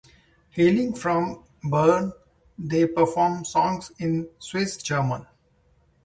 Hailing from Bern, they perform songs in Swiss German.